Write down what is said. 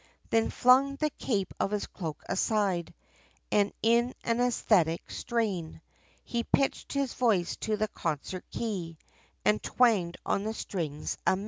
Then flung the cape of his cloak aside, And in an æsthetic strain, He pitched his voice, to the concert key, And twanged on the strings amain.